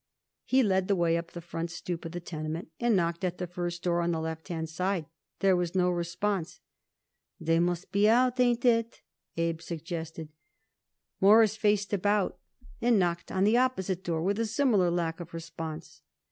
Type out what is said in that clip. He led the way up the front stoop of the tenement and knocked at the first door on the left hand side. There was no response. "They must be out. Ain't it?" Abe suggested. Morris faced about and knocked on the opposite door, with a similar lack of response.